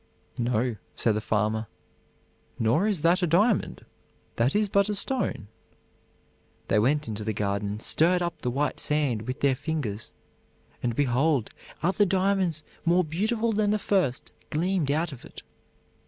"No," said the farmer, "nor is that a diamond. That is but a stone." They went into the garden and stirred up the white sand with their fingers, and behold, other diamonds more beautiful than the first gleamed out of it.